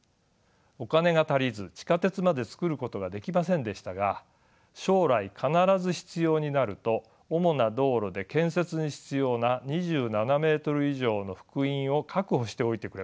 お金が足りず地下鉄まで造ることができませんでしたが将来必ず必要になると主な道路で建設に必要な２７メートル以上の幅員を確保しておいてくれました。